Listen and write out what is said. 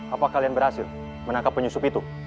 apa kalian berhasil menangkap penyusup itu